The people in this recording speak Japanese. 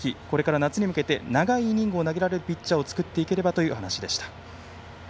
これから夏に向けて長いイニングを投げられるピッチャーを作っていければという話でした。